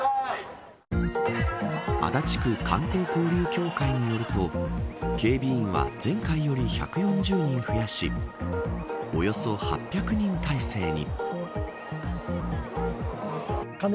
足立区観光交流協会によると警備員は前回より１４０人増やしおよそ８００人体制に。